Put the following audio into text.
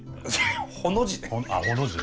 ほの字ね！